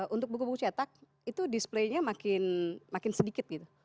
untuk buku buku cetak itu display nya makin sedikit gitu